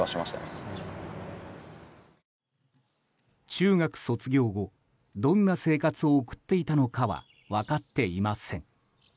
中学卒業後どんな生活を送っていたのかは分かっていません。